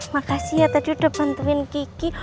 makasih ya tadi udah bantuin kiki